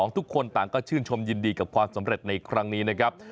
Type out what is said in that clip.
ทุกคนต่างก็ชื่นชมยินดีกับความสำเร็จในครั้งนี้นะครับ